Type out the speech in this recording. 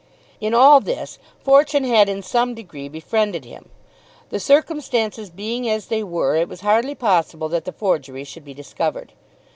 In all this fortune had in some degree befriended him. The circumstances being as they were it was hardly possible that the forgery should be discovered.